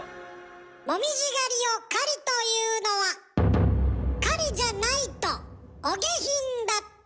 もみじ狩りを「狩り」と言うのは「狩り」じゃないとお下品だったから。